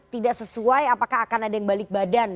tidak sesuai apakah akan ada yang balik badan